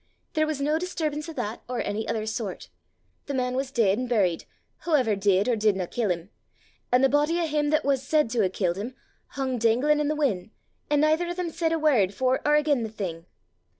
There was nae disturbance o' that, or ony ither sort. The man was deid an' buried, whaever did or didna kill him, an' the body o' him that was said to hae killed him, hung danglin' i' the win', an' naither o' them said a word for or again' the thing.